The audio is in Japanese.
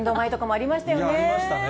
ありましたね。